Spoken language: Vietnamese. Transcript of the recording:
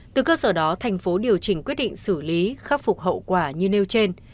từ cơ sở đó thành phố điều chỉnh quyết định xử lý khắc phục hậu quả như nêu trên